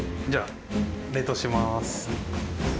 じゃあ冷凍します。